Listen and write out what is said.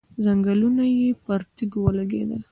ځنګنونه يې پر تيږو ولګېدل.